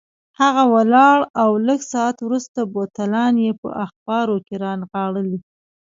هغه ولاړ او لږ ساعت وروسته بوتلان یې په اخبارو کې رانغاړلي.